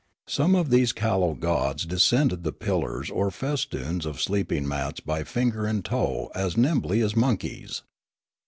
Some of these callow gods descended the pillars or the festoons of sleeping mats by finger and toe as nimbly as monkeys.